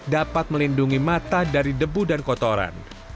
dapat melindungi mata dari debu dan kotoran